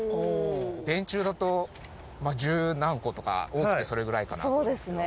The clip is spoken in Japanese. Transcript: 電柱だと十何個とか多くてそれぐらいかなと思うんですけど。